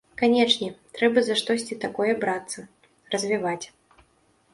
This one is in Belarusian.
Канечне, трэба за штосьці такое брацца, развіваць.